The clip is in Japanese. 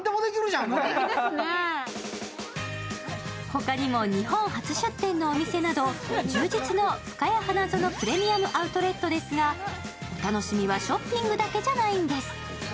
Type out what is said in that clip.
ほかにも日本初出店のお店など充実のふかや花園プレミアム・アウトレットですがお楽しみはショッピングだけじゃないんです。